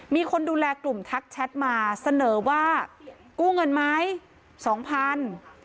มีคนดูแลกลุ่มทักแชทมาเสนอว่ากู้เงินไหมสองพัน